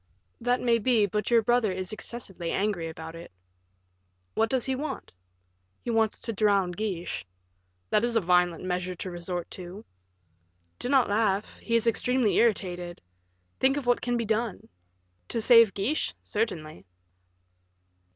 "That may be, but your brother is excessively angry about it." "What does he want?" "He wants to drown Guiche." "That is a violent measure to resort to." "Do not laugh; he is extremely irritated. Think of what can be done." "To save Guiche certainly."